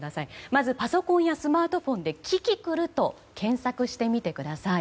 まずパソコンやスマートフォンでキキクルと検索してみてください。